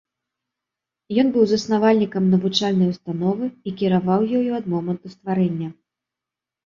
Ён быў заснавальнікам навучальнай установы і кіраваў ёю ад моманту стварэння.